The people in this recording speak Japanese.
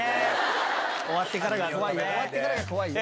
終わってからが怖いよ